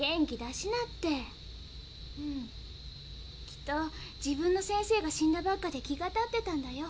きっと自分の先生が死んだばっかで気が立ってたんだよ。